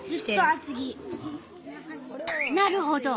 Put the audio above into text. なるほど。